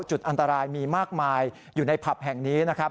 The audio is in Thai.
จุดอันตรายมีมากมายอยู่ในผับแห่งนี้นะครับ